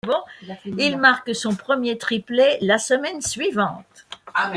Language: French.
Il marque son premier triplé la semaine suivante.